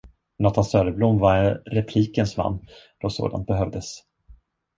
Nathan Söderblom var replikens man, då sådant behövdes.